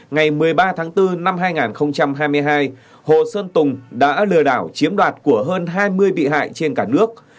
ngày một mươi ba tháng bốn năm hai nghìn hai mươi hai hồ xuân tùng đã lừa đảo chiếm đoạt của hơn hai mươi bị hại trên cả nước